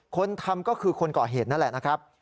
คนทำก็คือคนก่อเหตุนั่นแหละนะครับ